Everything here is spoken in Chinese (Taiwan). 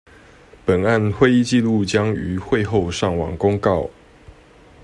本案會議紀錄將於會後上網公告